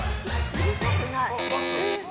うるさくない。